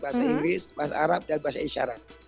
bahasa inggris bahasa arab dan bahasa isyarat